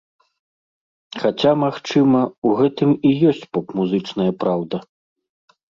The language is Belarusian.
Хаця, магчыма, у гэтым і ёсць поп-музычная праўда.